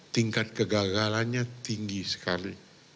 tingkat kegagalannya tinggi sekali